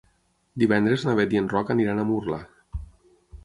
Divendres na Bet i en Roc aniran a Murla.